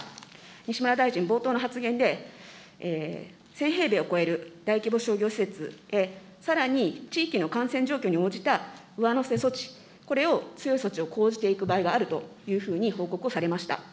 西村大臣、冒頭の発言で、１０００平米を超える大規模商業施設、さらに地域の感染状況に応じた上乗せ措置、これを強い措置を講じていく場合があると報告をされました。